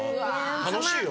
楽しいよ？